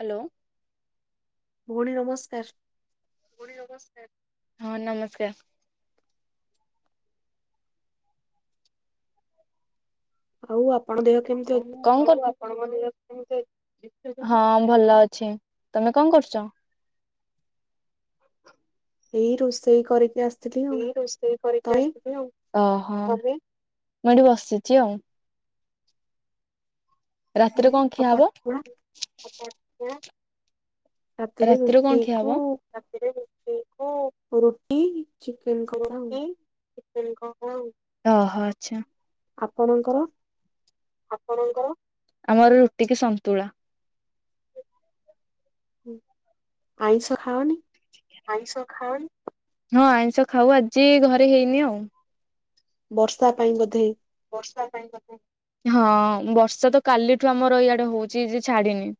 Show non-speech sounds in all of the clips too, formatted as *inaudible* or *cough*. Hello. ଭଉଣୀ ନମସ୍କାର। ହଁ ନମସ୍କାର। ଆଉ ଆପଣ ଦେହ କେମିତି ଅ କଣ କରୁ, ହଁ ଭଲ ଅଛି। ତମେ କଣ କରୁଛ? ଏଇ ରୋଷେଇ କରିକି ଆସି ଏଇ ରୋଷେଇ କରିକି ଆସିଲି ଆଉ, ଅହ ମୁଁ ଏଠି ବସିଛି ଆଉ ରାତିରେ କଣ ଖିଆହବ? ରାତିରୁ କଣ ଖିଆ ହବ? ରାତିରେ ରୁଟିକୁ ରୁଟି ରୁଟି *inaudible* ଅ ହ ଆଚ୍ଛା। ଆପଣଙ୍କର? ଆପଣଙ୍କର? ଆମର ରୁଟି କି ସନ୍ତୁଳା। ଆଇଁଷ ଖାଅନି? ଆଇଷ ଖାଓନି? ହଁ ଆଇଁଷ ଖାଉ ଆଜି ଘରେ ହେଇନି ଆଉ ବର୍ଷା ପାଇଁ ବୋଧେ ବର୍ଷା ପାଇଁ ବୋଧେ ହଁ ବର୍ଷା ତ କାଲିଠୁ ଆମର ଇଆଡେ ହଉଛି, ଯେ ଛାଡିିନି।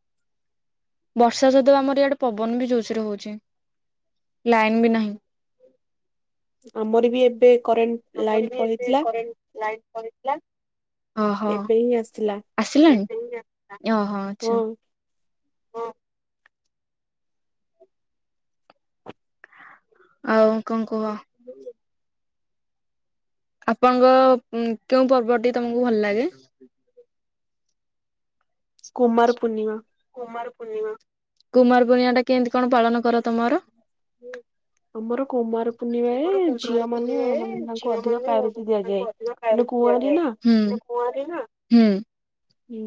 ବର୍ଷା ସହିତ ଆମର ଇଆଡେ ପବନ ବି ଜୋରସେ ହଉଛି ଲାଇନ ବି ନାହିଁ। ଆମର ବି ଏବେ କରେଣ୍ଟ ଆମର ବି ଏବେ କରେଣ୍ଟ ଲାଇଟ କରିଥିଲା ଅହ ଆସିଲାଣି ଅ ହ ଆଛା। ହଁ। ଆଉ କଣ କୁହ? ଆପଣଙ୍କ କେଉଁ ପର୍ବଟି ତମକୁ ଭଲ ଲାଗେ? କୁମାର ପୂର୍ଣ୍ଣିମା। କୁମାର ପୂର୍ଣ୍ଣିମା। କୁମାର ପୂର୍ଣ୍ଣିମା ଟା କେମିତି କଣ ପାଳନ କର ତମର? ଆମର କୁମାର ପୂର୍ଣ୍ଣିମାରେ ଝିଅମାନେ ମାନେ, ତାଙ୍କୁ ଅଧିକ ପ୍ରାୟୋରିଟି ଦିଆଯାଏ। ଏନୁ କୁଆରୀ ନା କଆଁରୀ ନା। ହୁଁ।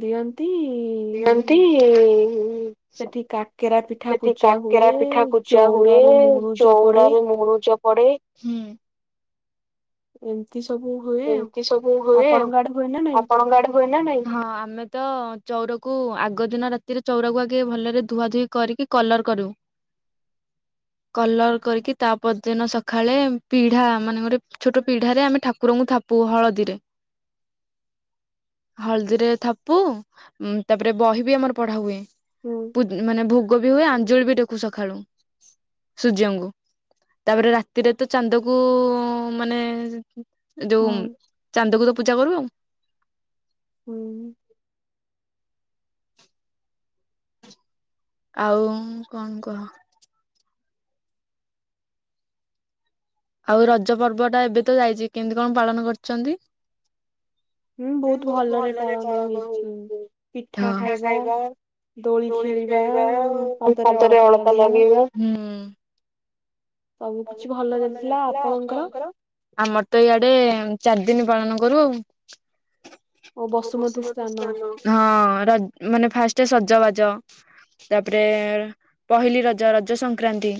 ଦିଅନ୍ତି ଇ ଦଅନ୍ତି ଇ ସେଠି କାକେରା ପିଠାକୁ ଜା ହୁଏ, ଚଉରାରେ ମୁରୁଜ ପଡେ। ଏମିତି ସବୁ ଏମିତି ସବୁ ହୁଏ ଆଉ ଆପଣଙ୍କ ଆଡେ? ହୁଏ ନା ନାଇ? ହଁ, ଆମେ ତ ଚଉରକୁ ଆଗ ଦିନ ରାତିରେ ଚଉରାକୁ ଆଗେ ଭଲରେ ଧୁଆ ଧୁଇ କରିକି କଲର କରୁ। *inaudible* କଲର କରିକି, ତା ପରଦିନ ସକାଳେ ପିଢା, ମାନେ ଗୋଟେ ଛୋଟ ପିଢାରେ ଆମେ ଠାକୁ ଠାକୁରଙ୍କୁ ଥାପୁ ହଳଦୀରେ। ହଳଦୀରେ ଥାପୁ। ତାପରେ ବହି ବି ଆମର ପଢା ହୁଏ। ହୁଁ। ମାନେ ଭୋଗ ବି ହୁଏ, ଆଞ୍ଜୁଳି ବି ଟେକୁୁ ସକାଳୁ। ସୂର୍ଯ୍ୟଙ୍କୁ, ତାପରେ ରାତିରେ ତ ଚାନ୍ଦକୁ, ମାନେ ଯୋଉ ଚାନ୍ଦକୁ ତ ପୂଜା କରୁ, ଆଉ ହୁଁ। ଆଉ କଣ କୁହ? ଆଉ ରଜ ପର୍ବ ଟା ଏବେ ତ ଯାଇଛି। କେମିତି କଣ ପାଳନ କରିଛନ୍ତି? ହୁଁ, ବହୁତ ଭଲରେ ପାଳନ ହୁଏ। ହଁ, ମିଠା ଖାଇବା ଦୋଳି ଖେଳିବା, ପାଦରେ ଅଳତା ଲଗେଇବା। ହୁଁ। ଆମ ଭଲ ଯାଇଥିଲା। ଆପଣଙ୍କର? ଆମର ତ ଇଆଡେ ଚାରି ଦିନ ପାଳନ କରୁ ଆଉ। ବସୁମତୀ ସ୍ନାନ ହଁ, ର ମାନେ ଫାଷ୍ଟ ସଜବାଜ ତାପରେ ପହିଲି ରଜ, ରଜ ସଂକ୍ରାନ୍ତି,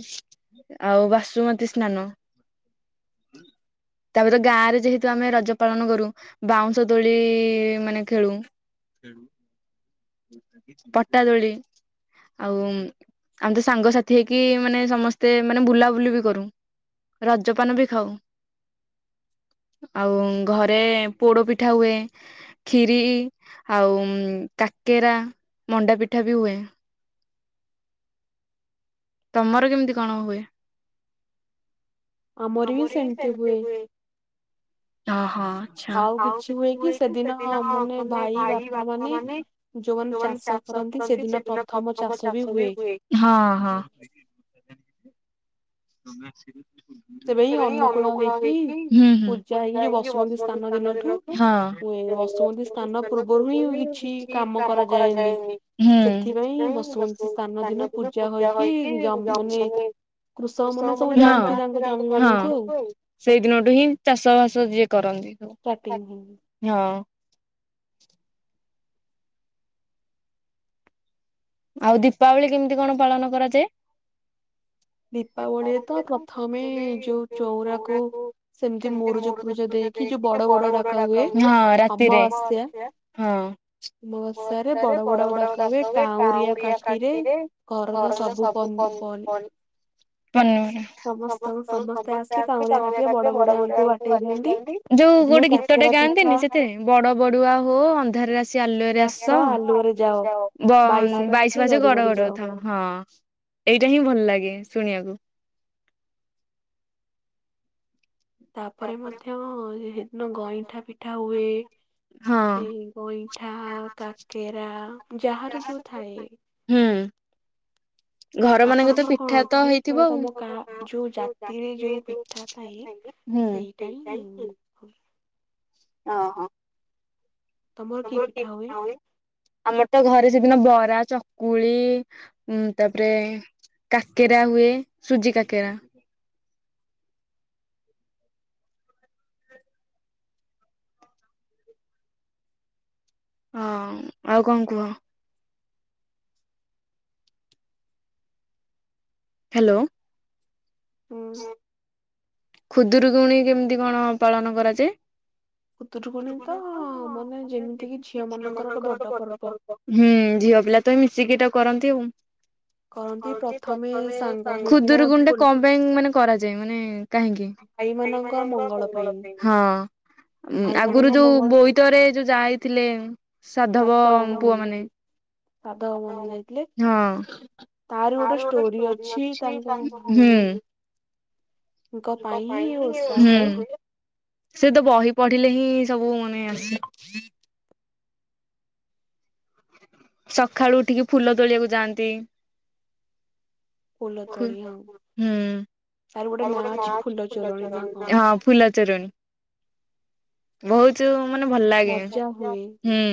ଆଉ ବାସ ବଚୁମତି ସ୍ନାନ *inaudible* ତାପରେ ଗାଁ ରେ ଯେହେତୁ ଆମେ ରଜ ପାଳନ କରୁ, ବାଉଁଶ ଦୋଳି ମାନେ ଖେଳୁ। ପଟାଦୋଳି ଆଉ ଆମେ ତ ସାଙ୍ଗ ସାଥି ହେଇକି, ମାନେ ସମସ୍ତେ ମାନେ ବୁଲାବୁଲି ବି କରୁ। ରଜପାନ ବି ଖାଉ। ଆଉ ଘରେ ପୋଡ ପିଠା ହୁଏ। ଖିରି ଆଉ କାକେରା, ମଣ୍ଡା ପିଠା ବି ହୁଏ। ତମର କେମିତି କଣ ହୁଏ? ଆମର ବି ସେମିତି ହୁଏ। ଅ-ହ। ଆଚ୍ଛା। ଆଉ କିଛି ହୁଏ କି ସେଦିନ, ମାନେ ଭାଇ, ବାପା ମାନେ? ଯୋଉମାନେ ଚାଷ କରନ୍ତି, ସେଦିନ ପ୍ରଥମ ଚାଷ ବି ହୁଏ। ହଁ, ହଁ। *unintelligible* ସେବେ ହିଁ ଅନୁକୂଳ ହେଇକି, ହୁଁ ହୁଁ, ପୂଜା ହେଇକି ବସୁମତି ସ୍ନାନ ଦିନ ହଁ। ସ୍ନାନ ପୂର୍ଵ ରୁ ହିଁ କିଛି କାମ କରାଯାଏନି। ହୁଁ। ସେଥିପାଇଁ ଦଶ ସ୍ନାନ ଦିନ ପୂଜା ହେଇକି ଯମନୀ ହଁ, ହଁ। ସେଇ ଦିନଠୁ ହିଁ ଚାଷ ବାସ ଯିଏ କରନ୍ତି ହଁ। ଆଉ ଦୀପାବଳି କେମିତି କଣ ପାଳନ କରାଯାଏ? ଦୀପାବଳି କଥମୀ ଯୋଉ ଚଉରାାକୁ ସେମତି ମୋଡ ଦେଖଛ ଦେଇି ବଡ ବଡ ଡାକା ହୁଏ। ହଁ ରାତିରେ। ହଁ। ମୋ ବର୍ଷ ାରେ ବଡ ବଡ ଡାକ ହୁଏ କା କାଉଡିଆ କାଠରେ ତର ସବୁ କ *unintelligible* ସମସ୍ତଙ୍କୁ ସମସ୍ତେ ଆସି ସମସ୍ତାେ ବଡ ଗଢ଼େଇଦିଆନ୍ତି। ଯୋଉ ଗୋଟେ ତଟେ ଗାଆନ୍ତିନି ସେତେ ବଡ ବଡୁଆ ହୋ ଅନ୍ଧାରରେ ଆସି ଆଲୁଅରେ ଆସ ବ ବାଇଶ ବାଇଶ ଗଡ ଗଡଉଥାଉ ହଁ ଏଇଟା ହିଁ ଭଲ ଲାଗେ ଶୁଣିବାକୁ। ତାପରେ ମଧ୍ୟ ସେଦିନ ଗଇଁଠା ପିଠା ହୁଏ ଏଇ ଗଇଁ ମିଠା କାକେରା ଯାହାର ଯୋଉ ଥାଏ। ହୁଁ। ଘର ମାନଙ୍କ ତ ପିଠା ତ ହେଇଥିବ ସେଇଟାହିଁ ଓ ହୋ। ସବୁ ଠିକ୍ ନ ହୁଏ। ଆମର ତ ଘରେ ସେଦିନ ବରା ଚକୁଳି ଉ ତାପରେ, କାକେରା ହୁଏ ସୁଜି କାକେରା। ହଁ ଆଉ କଣ କୁହ। ହ୍ୟାଲୋ। ଖୁଦରୁକୁୁଣି କେମିତି କଣ ପାଳନ କରାଯାଏ? ସେଠୁ କ ତ ମାନେ ଯେମିତି ଝିଅ ମାନଙ୍କର ଗୋଟେ ବଡ ପର୍ବ। ହୁଁ ଝିଅ ପିଲା ତଁ ମିଶିକି ଏଇଟା କରନ୍ତି ଆଉ। େ ଖୁଦୁର ଗୁଣ୍ଡ ଟେ କଣ ପାଇଁ ମାନେ କରାଯାଏ ମାନେ, କାହିଁକି ଭାଇମାନଙ୍କ ମଙ୍ଗଳ ପାଇଁ ହଁ। ଆଗରୁ ଯୋଉ ବୋଇତରେ ଯୋଉ ଯାହା ହେଇଥିଲେ ସାଧବ ପୁଅ ମାନେ। ହଁ। ଆାର ଗୋଟେ ଷ୍ଟୋରି ଅଛି ଟ କ ପାଇଁାଇି। ସେ ତ ବହି ପଢିଲେ ହିଁ ସବୁ ମାନେ ଆସେ। ସକାଳୁ ଉଠିକି ଫୁଲ ତୋଳିବାକୁ ଯାଆନ୍ତି। ହୁଁ ଆ ଗୋଟେ ଫୁଲ ଚୋରଣି ବହୁତ ମାନେ ଭଲ ଲାଗେ। ହୁଁ,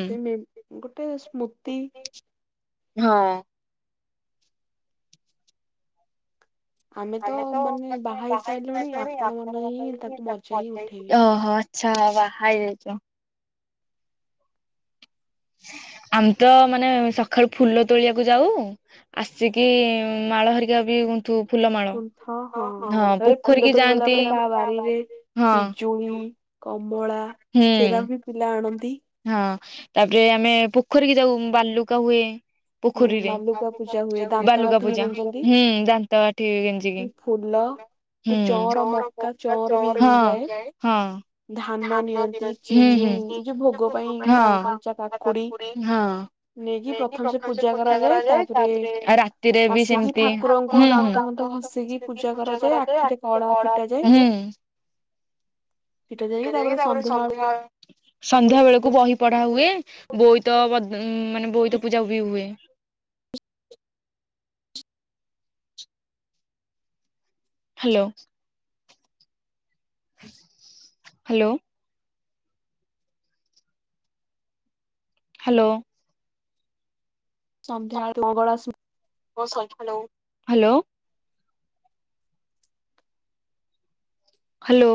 ଗୋଟେ ସ୍ମୃତି। ହଁ। ଆମେ ତ ମାନେ ବାହାସ ଜଣ ଆପଣ ମ ତାକୁ ପେଇ। ଆଛା ବାହା ହେଇଯାଇଛ। ଆମେ ତ ମାନେ ସକାଳୁ ଫୁଲ ତୋଳିବାକୁ ଯାଉ। ଆସିକି ମାଳ ହରିକା ବି ହଁ ତାପରେ ଫୁଣ୍ଡ ତୁଲି ଗଲା ପରେ କାହା ବାରିରେ ପିଜୁଳି, କମଳା ହୁଁ ଉଁ ପିଲା ଆଣନ୍ତି। ହଁ ତାପରେ ଆମେ ପୋଖରୀ କି ଯାଉ ବାଲୁକା ହୁଏ। ପୋଖରୀରେ ବାଲୁକା ପୂଜା, ହୁଁ ଦାନ୍ତ କାଠି ଗେଞ୍ଜିକି। ହୁଁ ଚଅଁର ପକା ଚଅଁର ହ *unintelligible* *unintelligible* *unintelligible* ରାତିରେ ବି ସେମତି *unintelligible* *unintelligible* ଫିଟେଇ ଦେଇକି ପୁଣି ସନ୍ଧ୍ୟା ବେଳେ ସନ୍ଧ୍ୟା ବେଳକୁ ବହି ପଢା ହୁଏ, ବୋଇତ ମାନେ ବୋଇତ ପୂଜା ବି ହୁଏ। ହାଲୋ ହାଲୋ ହାଲୋ ସନ୍ଧ୍ୟାବେଳେ ମଙ୍ଗଳା ହାଲୋ ହାଲୋ